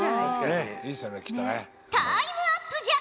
タイムアップじゃ。